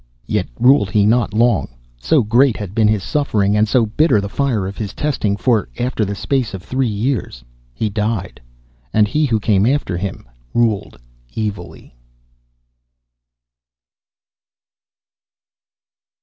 Yet ruled he not long, so great had been his suffering, and so bitter the fire of his testing, for after the space of three years he died. And he who came after him ruled evilly.